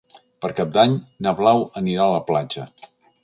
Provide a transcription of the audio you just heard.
Per Cap d'Any na Blau anirà a la platja.